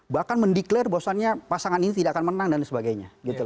bahkan mendeklarasi bahwasannya pasangan ini tidak akan menang dan sebagainya